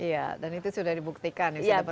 iya dan itu sudah dibuktikan ya